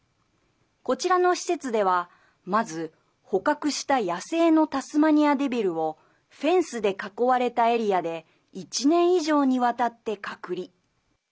こちらの施設では、まず捕獲した野生のタスマニアデビルをフェンスで囲われたエリアで１年以上にわたって隔離。